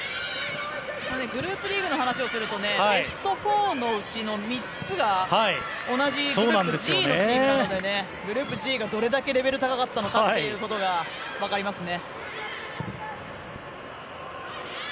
グループリーグの話をするとねベスト４のうちの３つが同じグループＧだったのでグループＧがどれだけレベル高かったのかが分かりますね。